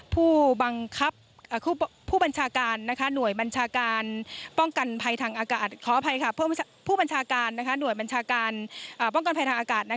ผู้บังคับผู้บัญชาการนะคะหน่วยบัญชาการป้องกันภัยทางอากาศ